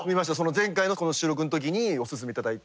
前回のこの収録の時におすすめ頂いて。